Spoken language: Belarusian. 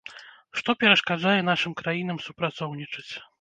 Што перашкаджае нашым краінам супрацоўнічаць?